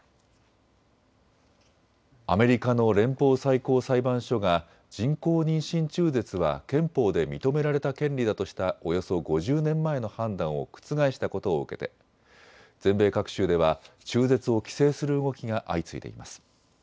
アメリカの連邦最高裁判所が人工妊娠中絶は憲法で認められた権利だとしたおよそ５０年前の判断を覆したことを受けて全米各州では中絶を規制する動きが相次いでいます。